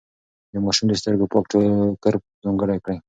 د ماشوم د سترګو پاک ټوکر ځانګړی کړئ.